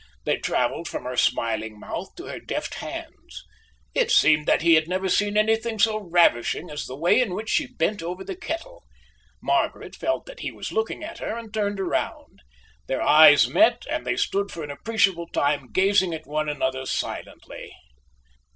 They travelled from her smiling mouth to her deft hands. It seemed that he had never seen anything so ravishing as the way in which she bent over the kettle. Margaret felt that he was looking at her, and turned round. Their eyes met, and they stood for an appreciable time gazing at one another silently.